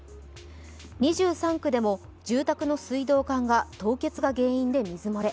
２３区でも住宅の水道管が凍結が原因で水漏れ。